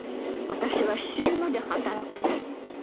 私は死ぬまで働くの。